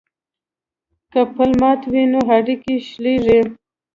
که پل مات وي نو اړیکې شلیږي.